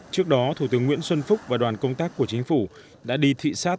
trước đó thủ tướng nguyễn xuân phúc và đoàn công tác của chính phủ đã đi thị xát